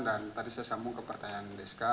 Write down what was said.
dan tadi saya sambung ke pertanyaan deska